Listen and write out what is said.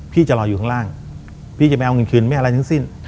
จะรออยู่ข้างล่างพี่จะไม่เอาเงินคืนไม่อะไรทั้งสิ้น